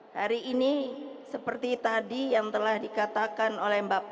hari ini seperti tadi yang telah dikatakan oleh mbak puan